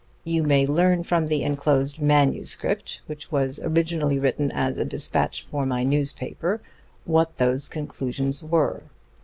You may learn from the enclosed manuscript, which was originally written as a despatch for my newspaper, what those conclusions were.